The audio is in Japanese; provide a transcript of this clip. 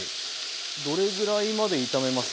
どれぐらいまで炒めます？